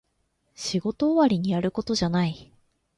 仕事終わりにやることじゃない